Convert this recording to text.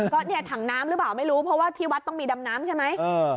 ก็เนี่ยถังน้ำหรือเปล่าไม่รู้เพราะว่าที่วัดต้องมีดำน้ำใช่ไหม